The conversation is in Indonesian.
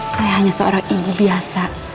saya hanya seorang ibu biasa